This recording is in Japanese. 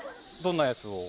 どんなやつを？